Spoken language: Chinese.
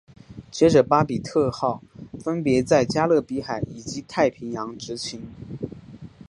接着巴比特号分别在加勒比海及太平洋执勤。